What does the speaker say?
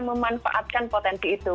memanfaatkan potensi itu